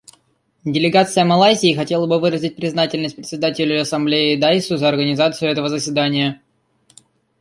Делегация Малайзии хотела бы выразить признательность Председателю Ассамблеи Дайссу за организацию этого заседания.